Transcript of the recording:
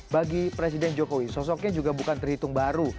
bagi presiden jokowi sosoknya juga bukan terhitung baru